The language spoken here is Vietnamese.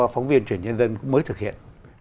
phóng viên chuyển nhân dân mới thực hiện